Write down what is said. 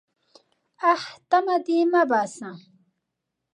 _اه! تمه دې مه باسه.